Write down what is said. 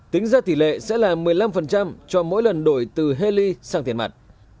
tính ra tỷ lệ sẽ là một mươi năm cho mỗi lần đổi từ hali sang tiền mặt